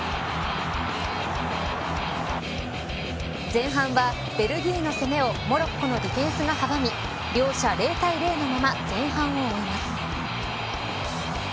前半はベルギーの攻めをモロッコのディフェンスが阻み両者０対０のまま前半を終えます。